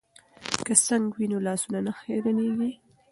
که سنک وي نو لاسونه نه خیرنیږي.